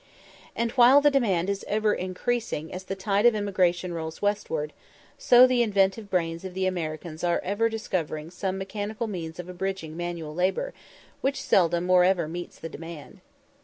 And while the demand is ever increasing as the tide of emigration rolls westward, so the inventive brains of the Americans are ever discovering some mechanical means of abridging manual labour, which seldom or ever meets the demand.